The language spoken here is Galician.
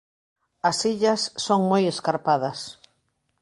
As illas son moi escarpadas.